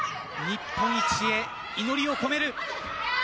日本一へ祈りを込める。